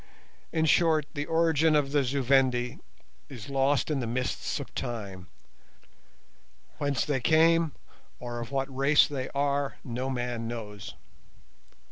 In short, the origin of the Zu Vendi is lost in the mists of time. Whence they came or of what race they are no man knows.